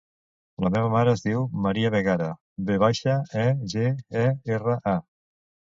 La meva mare es diu Maria Vegara: ve baixa, e, ge, a, erra, a.